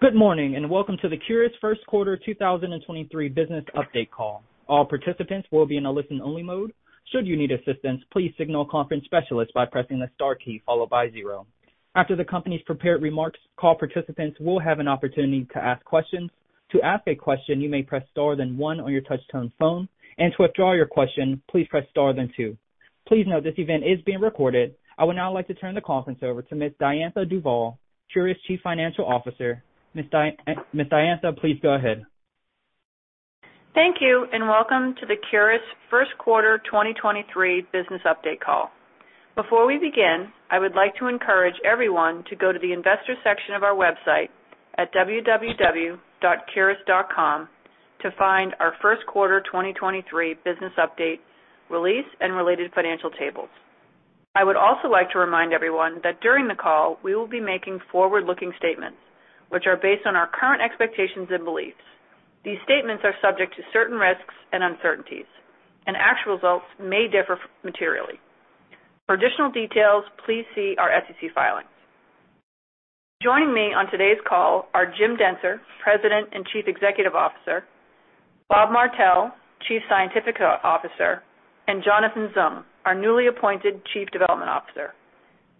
Good morning, and welcome to the Curis 1st quarter 2023 business update call. All participants will be in a listen-only mode. Should you need assistance, please signal a conference specialist by pressing the star key followed by zero. After the company's prepared remarks, call participants will have an opportunity to ask questions. To ask a question, you may press star then one on your touch-tone phone, and to withdraw your question, please press star then two. Please note this event is being recorded. I would now like to turn the conference over to Ms. Diantha Duvall, Curis Chief Financial Officer. Ms. Diantha, please go ahead. Thank you. Welcome to the Curis first quarter 2023 business update call. Before we begin, I would like to encourage everyone to go to the investor section of our website at www.curis.com to find our first quarter 2023 business update release and related financial tables. I would also like to remind everyone that during the call, we will be making forward-looking statements which are based on our current expectations and beliefs. These statements are subject to certain risks and uncertainties. Actual results may differ materially. For additional details, please see our SEC filings. Joining me on today's call are Jim Dentzer, President and Chief Executive Officer, Bob Martell, Chief Scientific Officer, and Jonathan Zung, our newly appointed Chief Development Officer.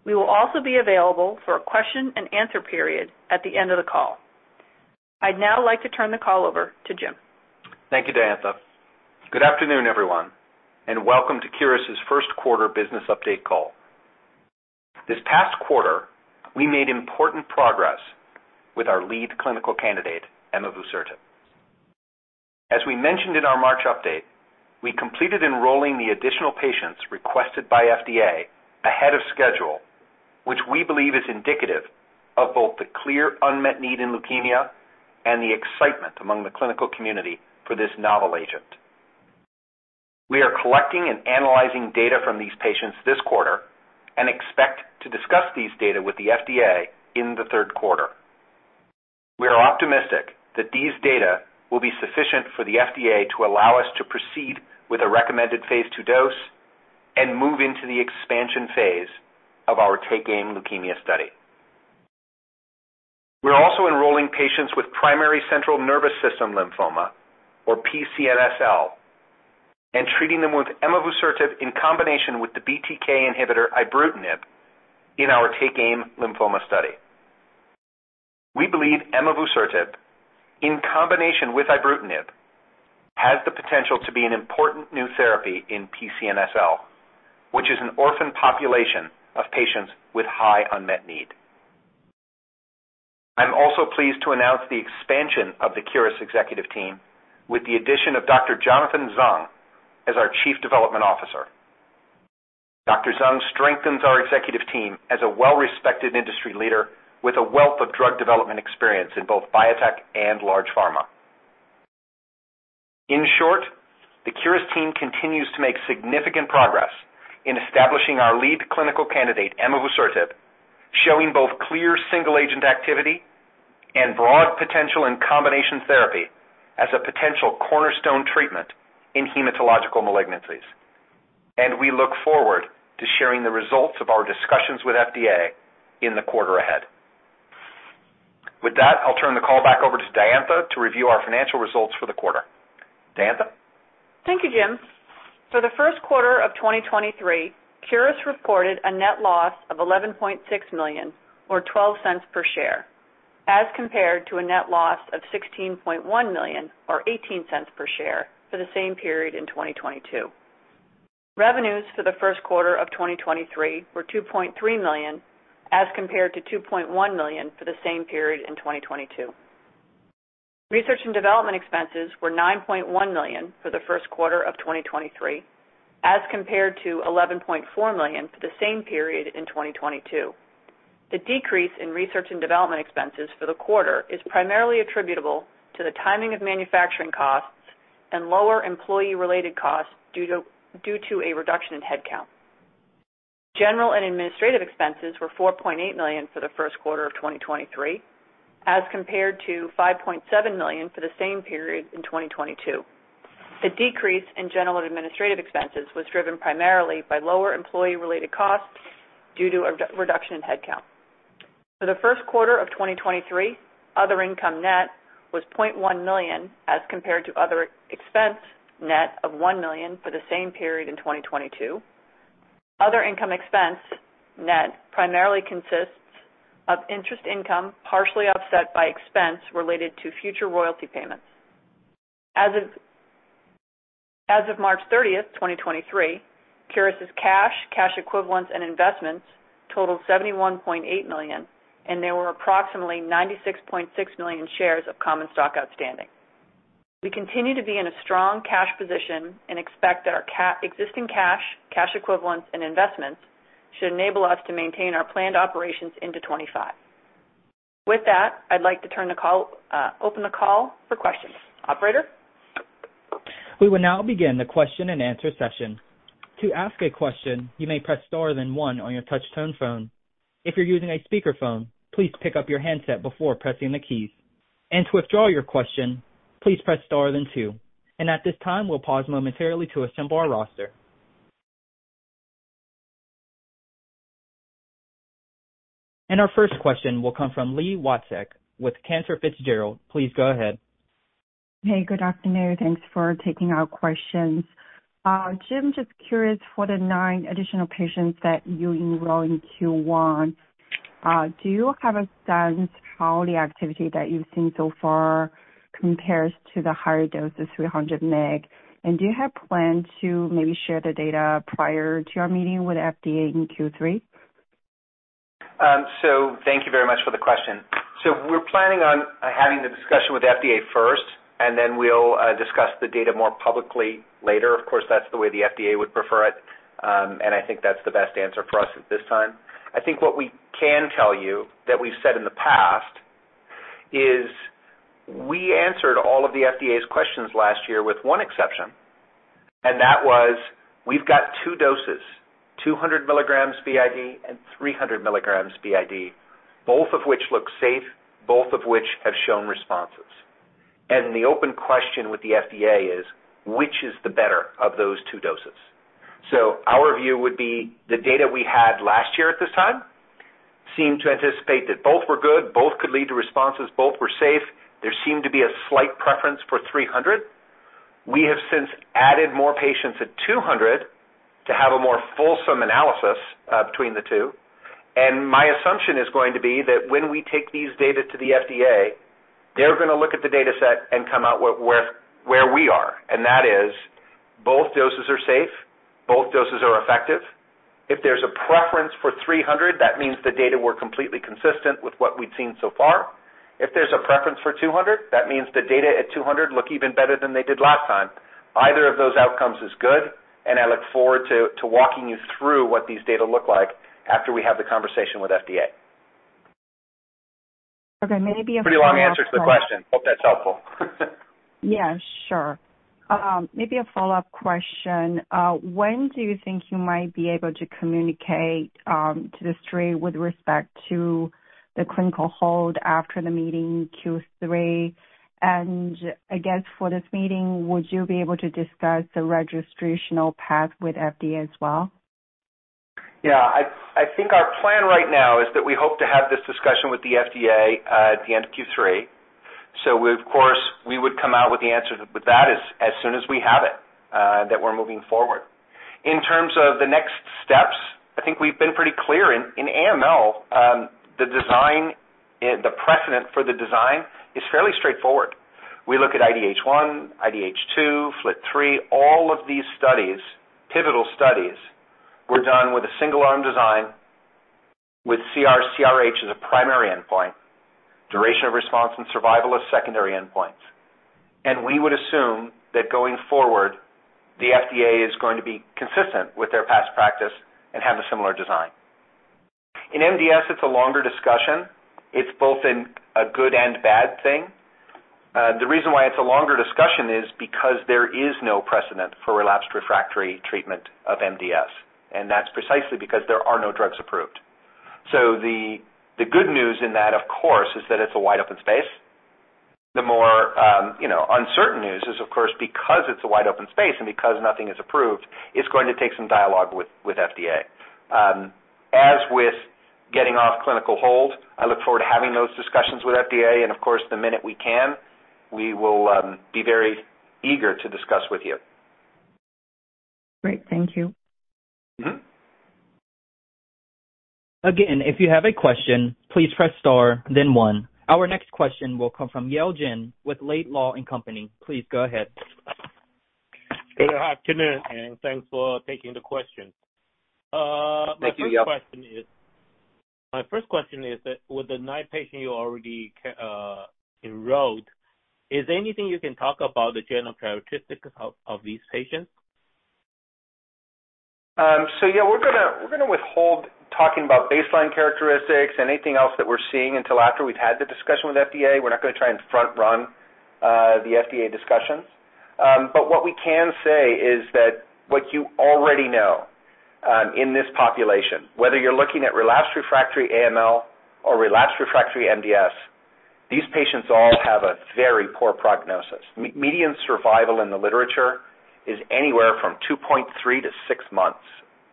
We will also be available for a question-and-answer period at the end of the call. I'd now like to turn the call over to Jim. Thank you, Diantha. Good afternoon, everyone, and welcome to Curis' first quarter business update call. This past quarter, we made important progress with our lead clinical candidate, emavusertib. As we mentioned in our March update, we completed enrolling the additional patients requested by FDA ahead of schedule, which we believe is indicative of both the clear unmet need in leukemia and the excitement among the clinical community for this novel agent. We are collecting and analyzing data from these patients this quarter and expect to discuss these data with the FDA in the third quarter. We are optimistic that these data will be sufficient for the FDA to allow us to proceed with a recommended Phase II dose and move into the expansion phase of our Take Aim Leukemia study. We're also enrolling patients with Primary Central Nervous System Lymphoma or PCNSL and treating them with emavusertib in combination with the BTK inhibitor ibrutinib in our Take Aim Lymphoma study. We believe emavusertib in combination with ibrutinib has the potential to be an important new therapy in PCNSL, which is an orphan population of patients with high unmet need. I'm also pleased to announce the expansion of the Curis executive team with the addition of Dr. Jonathan Zung as our Chief Development Officer. Dr. Zung strengthens our executive team as a well-respected industry leader with a wealth of drug development experience in both biotech and large pharma. In short, the Curis team continues to make significant progress in establishing our lead clinical candidate, emavusertib, showing both clear single-agent activity and broad potential in combination therapy as a potential cornerstone treatment in hematological malignancies. We look forward to sharing the results of our discussions with FDA in the quarter ahead. With that, I'll turn the call back over to Diantha to review our financial results for the quarter. Diantha? Thank you, Jim. For the first quarter of 2023, Curis reported a net loss of $11.6 million or $0.12 per share, as compared to a net loss of $16.1 million or $0.18 per share for the same period in 2022. Revenues for the first quarter of 2023 were $2.3 million, as compared to $2.1 million for the same period in 2022. Research and development expenses were $9.1 million for the first quarter of 2023, as compared to $11.4 million for the same period in 2022. The decrease in research and development expenses for the quarter is primarily attributable to the timing of manufacturing costs and lower employee-related costs due to a reduction in headcount. General and administrative expenses were $4.8 million for the first quarter of 2023, as compared to $5.7 million for the same period in 2022. The decrease in general and administrative expenses was driven primarily by lower employee-related costs due to a reduction in headcount. For the first quarter of 2023, other income net was $0.1 million, as compared to other expense net of $1 million for the same period in 2022. Other income expense net primarily consists of interest income, partially offset by expense related to future royalty payments. As of March 30th, 2023, Curis' cash equivalents and investments totaled $71.8 million, and there were approximately 96.6 million shares of common stock outstanding. We continue to be in a strong cash position and expect that our existing cash equivalents and investments should enable us to maintain our planned operations into 2025. With that, I'd like to turn the call, open the call for questions. Operator? We will now begin the question and answer session. To ask a question, you may press star then one on your touch-tone phone. If you're using a speakerphone, please pick up your handset before pressing the keys. To withdraw your question, please press star then two. At this time, we'll pause momentarily to assemble our roster. Our first question will come from Li Watsek with Cantor Fitzgerald. Please go ahead. Hey, good afternoon. Thanks for taking our questions. Jim, just curious for the nine additional patients that you enroll in Q1, do you have a sense how the activity that you've seen so far compares to the higher dose of 300 mg? Do you have plans to maybe share the data prior to your meeting with FDA in Q3? Thank you very much for the question. We're planning on having the discussion with FDA first, and then we'll discuss the data more publicly later. Of course, that's the way the FDA would prefer it. I think that's the best answer for us at this time. I think what we can tell you that we've said in the past is we answered all of the FDA's questions last year with one exception, and that was, we've got two doses, 200 mg BID and 300 mg BID, both of which look safe, both of which have shown responses. And the open question with the FDA is which is the better of those two doses? Our view would be the data we had last year at this time seemed to anticipate that both were good, both could lead to responses, both were safe. There seemed to be a slight preference for 300. We have since added more patients at 200 to have a more fulsome analysis between the two. My assumption is going to be that when we take these data to the FDA, they're gonna look at the dataset and come out where we are, and that is both doses are safe, both doses are effective. If there's a preference for 300, that means the data were completely consistent with what we've seen so far. If there's a preference for 200, that means the data at 200 look even better than they did last time. Either of those outcomes is good, and I look forward to walking you through what these data look like after we have the conversation with FDA. Okay. Maybe a follow-up- Pretty long answer to the question. Hope that's helpful. Yeah, sure. Maybe a follow-up question. When do you think you might be able to communicate to the street with respect to the clinical hold after the meeting Q3? I guess for this meeting, would you be able to discuss the registrational path with FDA as well? Yeah, I think our plan right now is that we hope to have this discussion with the FDA at the end of Q3. We of course would come out with the answer with that as soon as we have it that we're moving forward. In terms of the next steps, I think we've been pretty clear. In AML, the design, the precedent for the design is fairly straightforward. We look at IDH1, IDH2, FLT3, all of these studies, pivotal studies, were done with a single arm design with CR/CRh as a primary endpoint, duration of response and survival as secondary endpoints. We would assume that going forward, the FDA is going to be consistent with their past practice and have a similar design. In MDS, it's a longer discussion. It's both a good and bad thing. The reason why it's a longer discussion is because there is no precedent for relapsed refractory treatment of MDS, and that's precisely because there are no drugs approved. The good news in that, of course, is that it's a wide-open space. The more, you know, uncertain news is of course, because it's a wide-open space and because nothing is approved, it's going to take some dialogue with FDA. As with getting off clinical hold, I look forward to having those discussions with FDA and of course, the minute we can, we will be very eager to discuss with you. Great. Thank you. Mm-hmm. Again, if you have a question, please press star then one. Our next question will come from Yale Jen with Laidlaw & Company. Please go ahead. Good afternoon. Thanks for taking the question. Thank you, Yale. My first question is that with the nine patients you already enrolled, is there anything you can talk about the general characteristics of these patients? Yeah, we're gonna withhold talking about baseline characteristics and anything else that we're seeing until after we've had the discussion with FDA. We're not gonna try and front run the FDA discussions. What we can say is that what you already know, in this population, whether you're looking at relapsed refractory AML or relapsed refractory MDS, these patients all have a very poor prognosis. Median survival in the literature is anywhere from 2.3 to 6 months.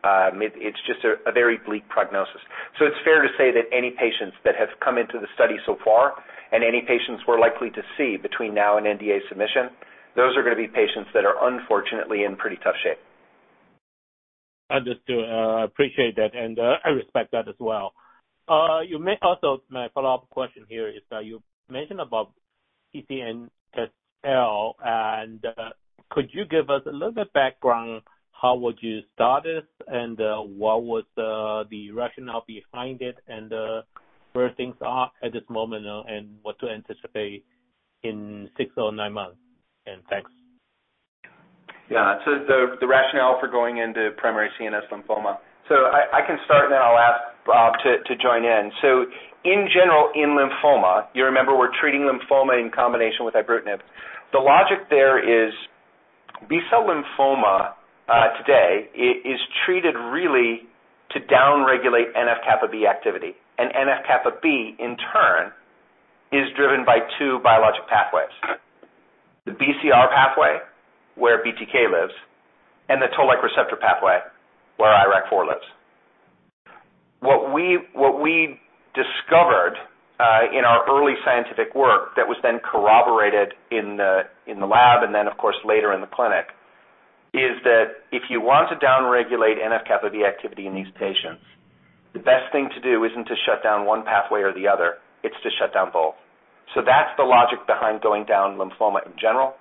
It's just a very bleak prognosis. It's fair to say that any patients that have come into the study so far and any patients we're likely to see between now and NDA submission, those are gonna be patients that are unfortunately in pretty tough shape. Understood. Appreciate that, and I respect that as well. My follow-up question here is, you mentioned about PCNSL, and could you give us a little bit background, how would you start it, and what was the rationale behind it and where things are at this moment, and what to anticipate in six or nine months? Thanks. Yeah. The rationale for going into primary CNS lymphoma. I can start, and then I'll ask Bob to join in. In general, in lymphoma, you remember we're treating lymphoma in combination with ibrutinib. The logic there is B-cell lymphoma today is treated really to down-regulate NF-κB activity, and NF-κB in turn is driven by two biologic pathways. The BCR pathway, where BTK lives, and the Toll-like receptor pathway, where IRAK4 lives. What we discovered in our early scientific work that was then corroborated in the lab, and then of course, later in the clinic, is that if you want to down-regulate NF-κB activity in these patients, the best thing to do isn't to shut down one pathway or the other, it's to shut down both. That's the logic behind going down lymphoma in general,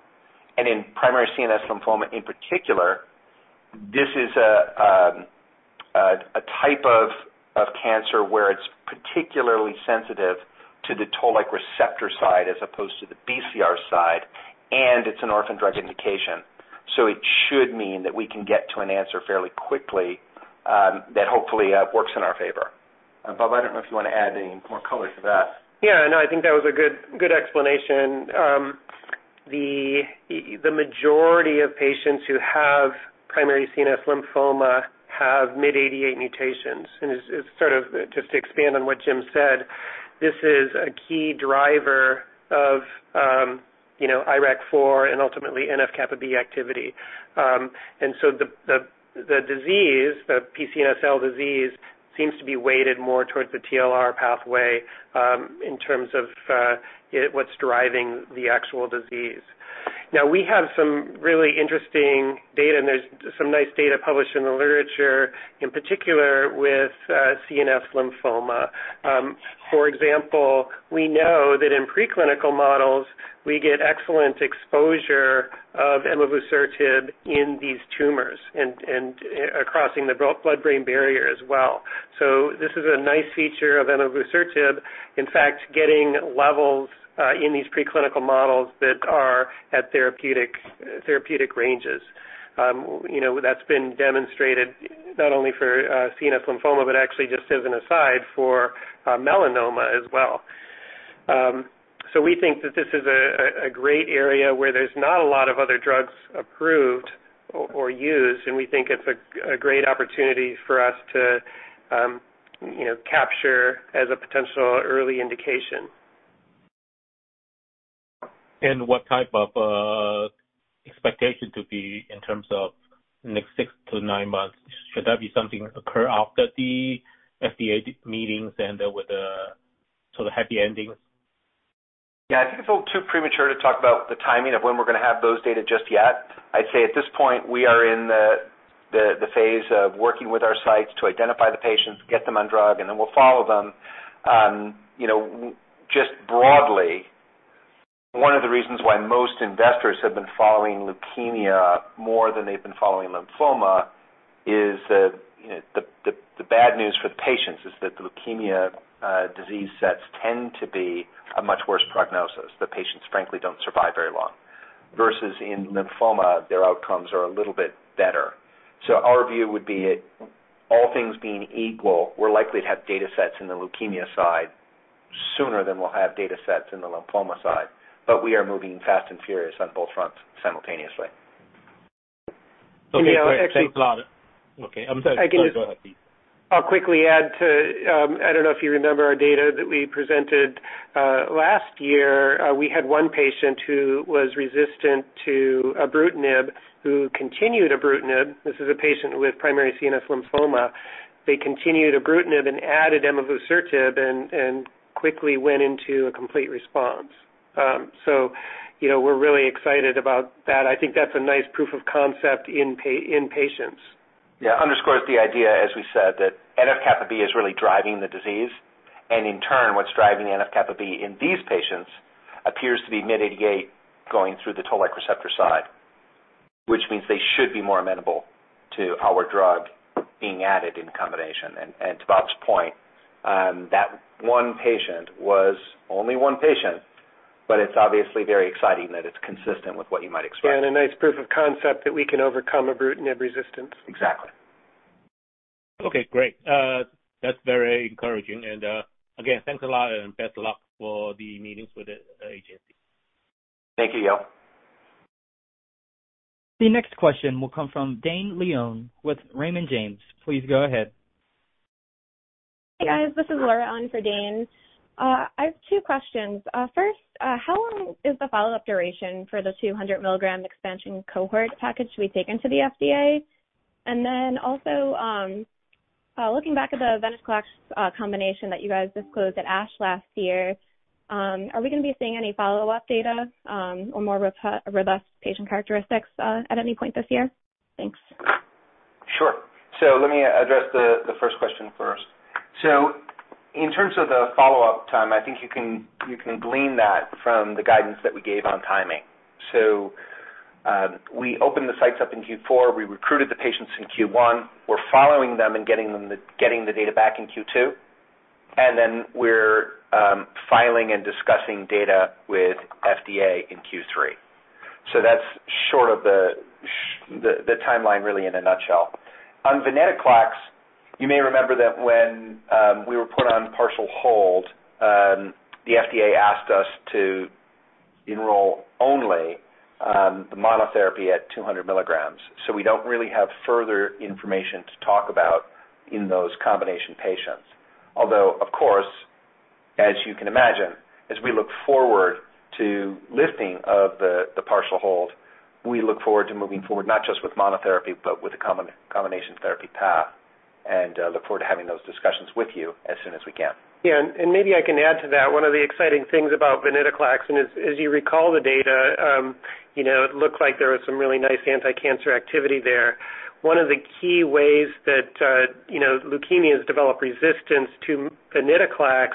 and in primary CNS lymphoma in particular, this is a type of cancer where it's particularly sensitive to the Toll-like receptor side as opposed to the BCR side, and it's an orphan drug indication. It should mean that we can get to an answer fairly quickly that hopefully works in our favor. Bob, I don't know if you wanna add any more color to that. Yeah, no, I think that was a good explanation. The majority of patients who have primary CNS lymphoma have MYD88 mutations, and it's sort of, just to expand on what Jim said, this is a key driver of, you know, IRAK4 and ultimately NF-κB activity. The disease, the PCNSL disease seems to be weighted more towards the TLR pathway, in terms of what's driving the actual disease. Now we have some really interesting data, and there's some nice data published in the literature, in particular with CNS lymphoma. For example, we know that in preclinical models, we get excellent exposure of emavusertib in these tumors and crossing the blood-brain barrier as well. This is a nice feature of emavusertib, in fact, getting levels in these preclinical models that are at therapeutic ranges. You know, that's been demonstrated not only for CNS lymphoma, but actually just as an aside for melanoma as well. We think that this is a great area where there's not a lot of other drugs approved or used, and we think it's a great opportunity for us to, you know, capture as a potential early indication. What type of expectation to be in terms of next six to nine months? Should that be something occur after the FDA meetings end up with a sort of happy ending? Yeah, I think it's all too premature to talk about the timing of when we're gonna have those data just yet. I'd say at this point, we are in the phase of working with our sites to identify the patients, get them on drug, and then we'll follow them. you know, just broadly, one of the reasons why most investors have been following leukemia more than they've been following lymphoma is that, you know, the bad news for the patients is that the leukemia disease sets tend to be a much worse prognosis. The patients frankly don't survive very long. Versus in lymphoma, their outcomes are a little bit better. Our view would be it, all things being equal, we're likely to have datasets in the leukemia side sooner than we'll have datasets in the lymphoma side. We are moving fast and furious on both fronts simultaneously. Okay, great. Thanks a lot. you know Okay. I'm sorry. Go ahead. I'll quickly add to, I don't know if you remember our data that we presented last year. We had one patient who was resistant to ibrutinib, who continued ibrutinib. This is a patient with primary CNS lymphoma. They continued ibrutinib and added emavusertib and quickly went into a complete response. You know, we're really excited about that. I think that's a nice proof of concept in patients. Yeah. Underscores the idea, as we said, that NF-κB is really driving the disease, and in turn, what's driving NF-κB in these patients appears to be MYD88 going through the Toll-like receptor side, which means they should be more amenable to our drug being added in combination. To Bob's point, that one patient was only one patient, but it's obviously very exciting that it's consistent with what you might expect. Yeah, a nice proof of concept that we can overcome ibrutinib resistance. Exactly. Okay, great. That's very encouraging. Again, thanks a lot and best of luck for the meetings with the agency. Thank you, Yale. The next question will come from Dane Leone with Raymond James. Please go ahead. Hey, guys, this is Laura on for Dane. I have two questions. First, how long is the follow-up duration for the 200 mg expansion cohort package to be taken to the FDA? Also, looking back at the venetoclax combination that you guys disclosed at ASH last year, are we gonna be seeing any follow-up data, or more robust patient characteristics, at any point this year? Thanks. Let me address the first question first. In terms of the follow-up time, I think you can glean that from the guidance that we gave on timing. We opened the sites up in Q4. We recruited the patients in Q1. We're following them and getting the data back in Q2. We're filing and discussing data with FDA in Q3. That's short of the timeline really in a nutshell. On venetoclax, you may remember that when we were put on partial hold, the FDA asked us to enroll only the monotherapy at 200 mg. We don't really have further information to talk about in those combination patients. Of course, as you can imagine, as we look forward to lifting of the partial hold, we look forward to moving forward, not just with monotherapy, but with a combination therapy path, look forward to having those discussions with you as soon as we can. Yeah. Maybe I can add to that. One of the exciting things about venetoclax, and as you recall the data, you know, it looked like there was some really nice anti-cancer activity there. One of the key ways that, you know, leukemias develop resistance to venetoclax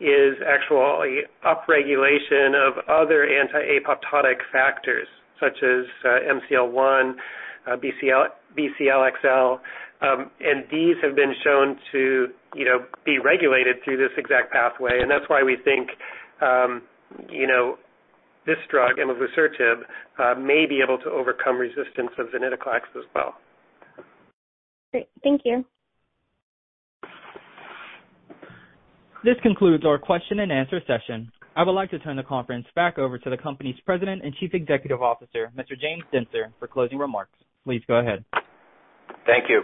is actually upregulation of other anti-apoptotic factors, such as MCL1, BCLXL, and these have been shown to, you know, be regulated through this exact pathway, and that's why we think, you know, this drug, emavusertib, may be able to overcome resistance of venetoclax as well. Great. Thank you. This concludes our question-and-answer session. I would like to turn the conference back over to the company's president and chief executive officer, Mr. James Dentzer, for closing remarks. Please go ahead. Thank you.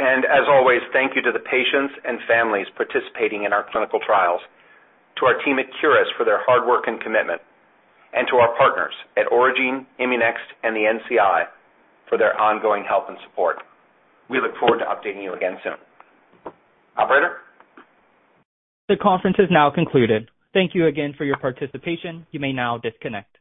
As always, thank you to the patients and families participating in our clinical trials, to our team at Curis for their hard work and commitment, to our partners at Aurigene, ImmuNext, and the NCI for their ongoing help and support. We look forward to updating you again soon. Operator? The conference is now concluded. Thank you again for your participation. You may now disconnect.